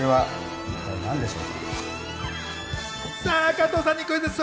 加藤さんにクイズッス！